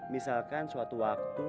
misalkan suatu waktu